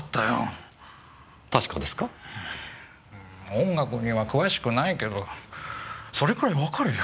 音楽には詳しくないけどそれくらいわかるよ。